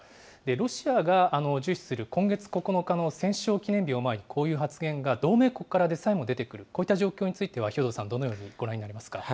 ロシアが重視する今月９日の戦勝記念日を前にこういう発言が、同盟国からでさえも出てくる、こういった状況については、兵頭さん、どういうふうにご覧になりますか？